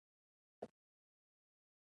احمد چې يې پر غلا ونيو؛ خړې خړې يې اړولې.